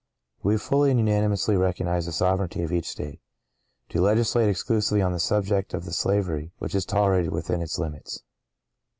(¶ 30) We fully and unanimously recognise the sovereignty of each State, to legislate exclusively on the subject of the slavery which is tolerated within its limits.